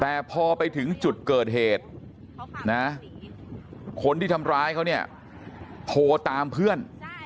แต่พอไปถึงจุดเกิดเหตุนะคนที่ทำร้ายเขาเนี่ยโทรตามเพื่อน